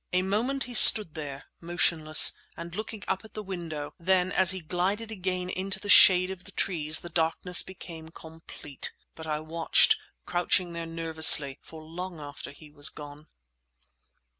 A moment he stood there, motionless, and looking up at the window; then as he glided again into the shade of the trees the darkness became complete. But I watched, crouching there nervously, for long after he was gone.